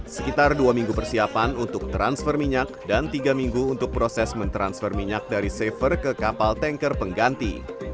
sekitar dua minggu persiapan untuk transfer minyak dan tiga minggu untuk proses mentransfer minyak dari safer ke kapal tanker pengganti